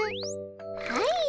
はい。